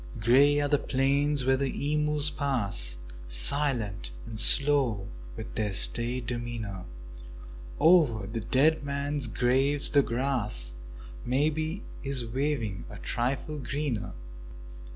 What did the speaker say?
Grey are the plains where the emus pass Silent and slow, with their staid demeanour; Over the dead men's graves the grass Maybe is waving a trifle greener.